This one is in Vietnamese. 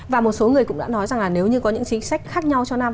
và một số người cũng đã nói rằng là nếu như có những chính sách khác nhau cho nam